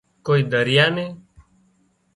ڪوئي ڌريئا نين